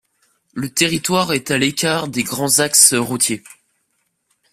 Le territoire est à l'écart des grands axes routiers.